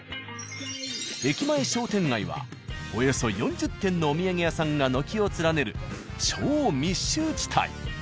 駅前商店街はおよそ４０店のお土産屋さんが軒を連ねる超密集地帯。